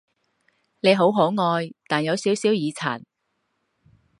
你好可愛，但有少少耳殘